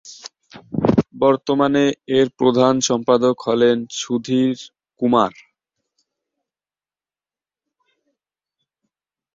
বর্তমানে এর প্রধান সম্পাদক হলেন সুধীর কুমার।